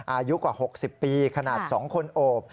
อายุกว่า๖๐ปีขนาด๒คนโอบ